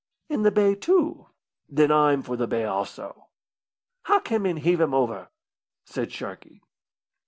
"In the bay, too." "Then I'm for the bay, also." "Hock him and heave him over," said Sharkey.